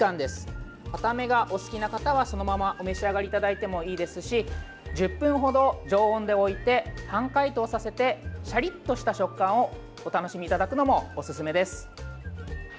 硬めがお好きな方は、そのままお召し上がりいただいてもいいですし１０分ほど常温で置いて半解凍させてシャリッとした食感をお楽しみいただくのもおすすめです。